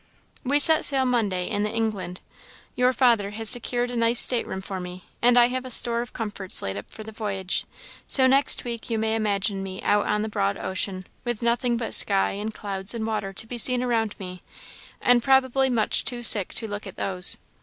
"We set sail Monday, in the England. Your father has secured a nice state room for me, and I have a store of comforts laid up for the voyage. So next week you may imagine me out on the broad ocean, with nothing but sky and clouds and water to be seen around me, and probably much too sick to look at those.